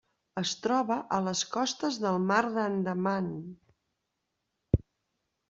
Es troba a les costes del Mar d'Andaman.